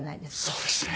そうですね。